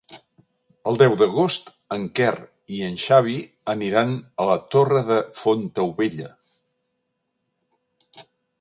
El deu d'agost en Quer i en Xavi aniran a la Torre de Fontaubella.